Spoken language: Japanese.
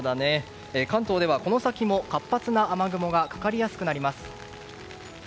関東ではこの先も活発な雨雲がかかりやすくなります。